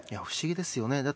不思議ですよね。